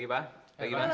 selamat pagi mas